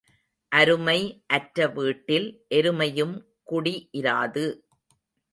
அருமை அற்ற வீட்டில் எருமையும் குடி இராது.